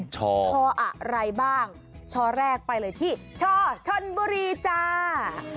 ช่ออะไรบ้างช่อแรกไปเลยที่ช่อชนบุรีจ้า